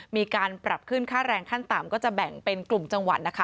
มีการปรับขึ้นค่าแรงขั้นต่ำก็จะแบ่งเป็นกลุ่มจังหวัดนะคะ